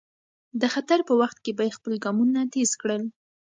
د خطر په وخت کې به یې خپل ګامونه تېز کړل.